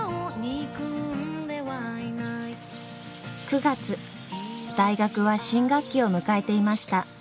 ９月大学は新学期を迎えていました。